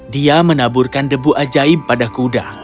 dia menaburkan debu ajaib pada kuda